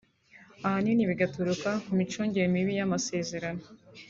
ahanini bigaturuka ku micungire mibi y’amasezerano